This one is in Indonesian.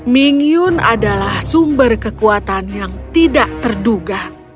ming yun adalah sumber kekuatan yang tidak terduga